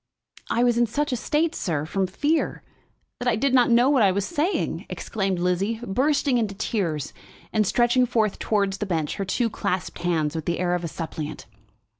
"I was in such a state, sir, from fear, that I did not know what I was saying," exclaimed Lizzie, bursting into tears and stretching forth towards the bench her two clasped hands with the air of a suppliant.